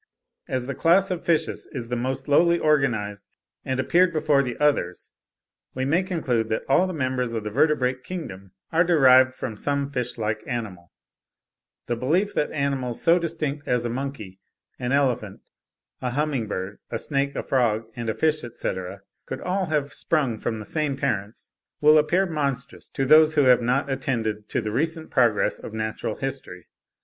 As the class of fishes is the most lowly organised, and appeared before the others, we may conclude that all the members of the vertebrate kingdom are derived from some fishlike animal. The belief that animals so distinct as a monkey, an elephant, a humming bird, a snake, a frog, and a fish, etc., could all have sprung from the same parents, will appear monstrous to those who have not attended to the recent progress of natural history.